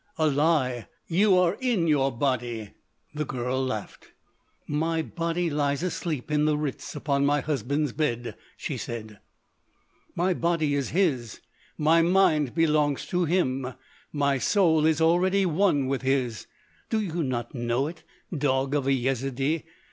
"A lie! You are in your body!" The girl laughed. "My body lies asleep in the Ritz upon my husband's bed," she said. "My body is his, my mind belongs to him, my soul is already one with his. Do you not know it, dog of a Yezidee?